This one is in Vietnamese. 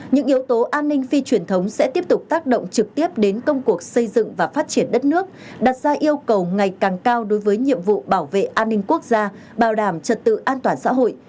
những yếu tố an ninh phi truyền thống sẽ tiếp tục tác động trực tiếp đến công cuộc xây dựng và phát triển đất nước đặt ra yêu cầu ngày càng cao đối với nhiệm vụ bảo vệ an ninh quốc gia bảo đảm trật tự an toàn xã hội